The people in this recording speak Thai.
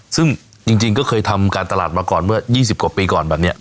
ซึ่งจริงก็เคยทำการตลาดมาก่อนเมื่อ๒๐กว่าปีก่อนแบบนี้